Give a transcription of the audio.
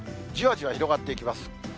じわじわ広がっていきます。